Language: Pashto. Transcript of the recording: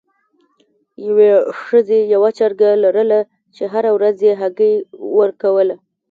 یوې ښځې یوه چرګه لرله چې هره ورځ یې هګۍ ورکوله.